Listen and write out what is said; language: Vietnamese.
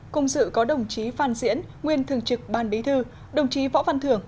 cùng sự có đồng chí phan diễn nguyên thường trực ban bí thư đồng chí võ văn thường